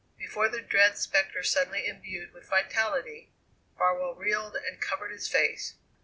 Before the dread spectre, suddenly imbued with vitality, Farwell reeled and covered his face.